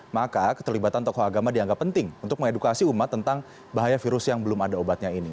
maka keterlibatan tokoh agama dianggap penting untuk mengedukasi umat tentang bahaya virus yang belum ada obatnya ini